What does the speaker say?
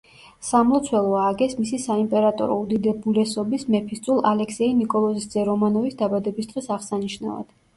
სამლოცველო ააგეს მისი საიმპერატორო უდიდებულესობის მეფისწულ ალექსეი ნიკოლოზის ძე რომანოვის დაბადების დღის აღსანიშნავად.